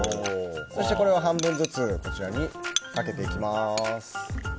そして、これを半分ずつこちらにかけていきます。